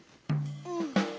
うん。